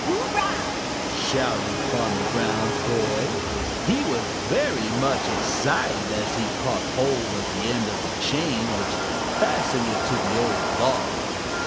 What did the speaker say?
"Hurrah!" shouted Farmer Brown's boy. He was very much excited, as he caught hold of the end of the chain, which fastened it to the old log.